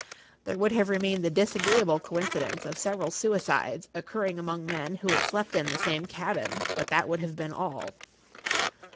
There would have remained the disagreeable coincidence of several suicides occurring among men who had slept in the same cabin, but that would have been all.